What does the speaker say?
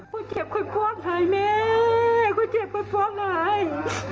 ผู้เจ็บคุณพ่อไหนแม่ผู้เจ็บคุณพ่อไหน